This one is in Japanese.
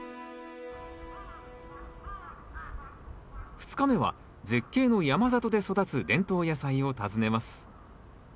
２日目は絶景の山里で育つ伝統野菜を訪ねます